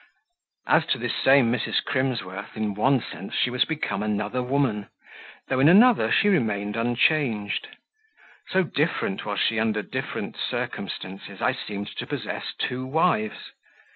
As to this same Mrs. Crimsworth, in one sense she was become another woman, though in another she remained unchanged. So different was she under different circumstances. I seemed to possess two wives.